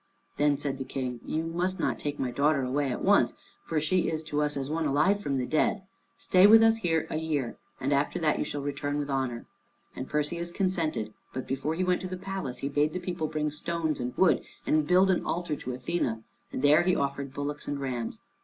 Then said the King, "You must not take my daughter away at once, for she is to us as one alive from the dead. Stay with us here a year, and after that you shall return with honor." And Perseus consented, but before he went to the palace he bade the people bring stones and wood and build an altar to Athené, and there he offered bullocks and rams.